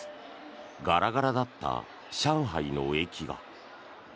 ガラガラだった上海の駅が。